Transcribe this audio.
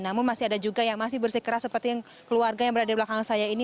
namun masih ada juga yang masih bersikeras seperti yang keluarga yang berada di belakang saya ini